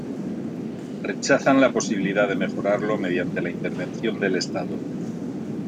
Rechazan la posibilidad de mejorarlo mediante la intervención del Estado.